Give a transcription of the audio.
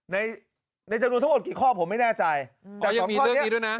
ในในจำนวนทั้งหมดกี่ข้อผมไม่แน่ใจแต่สองข้อนี้ด้วยนะ